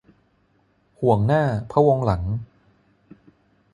ห่วงหน้าพะวงหลัง